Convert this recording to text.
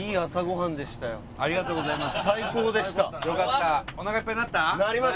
ありがとうございます。